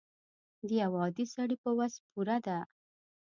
د یو عادي سړي په وس پوره ده.